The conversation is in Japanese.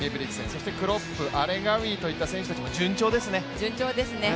そしてクロップ、アレガウィといった選手たちも順調ですね。